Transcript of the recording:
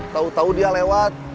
tau tau dia lewat